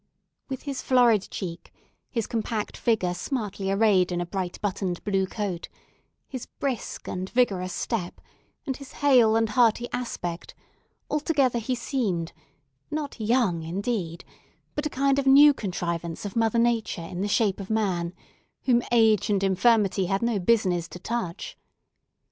With his florid cheek, his compact figure smartly arrayed in a bright buttoned blue coat, his brisk and vigorous step, and his hale and hearty aspect, altogether he seemed—not young, indeed—but a kind of new contrivance of Mother Nature in the shape of man, whom age and infirmity had no business to touch.